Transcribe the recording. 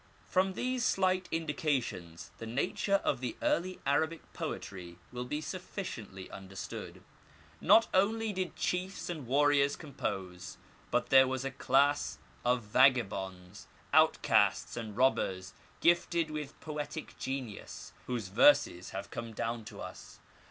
From these slight indications, the nature of the early Arabic poetry will be sufficiently understood^ Not only did chiefs and warriors compose, but there was a class of vagabonds, outcasts, and robbers gifted with poetic genius, whose verses have come down to us.